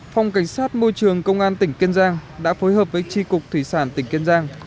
phòng cảnh sát môi trường công an tỉnh kiên giang đã phối hợp với tri cục thủy sản tỉnh kiên giang